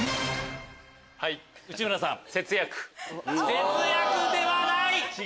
節約ではない。